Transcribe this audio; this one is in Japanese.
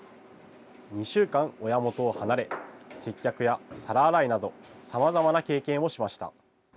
２週間親元を離れ、接客や皿洗いなど、さまざまな経験をしました。